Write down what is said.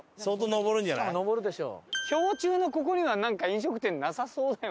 氷柱のここにはなんか飲食店なさそうだよね。